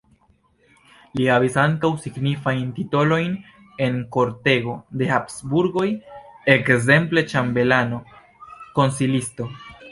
Li havis ankaŭ signifajn titolojn en kortego de Habsburgoj, ekzemple ĉambelano, konsilisto.